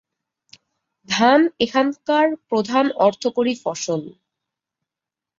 ধান এখানকার প্রধান অর্থকরী ফসল।